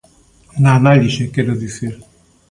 Na análise, quero dicir.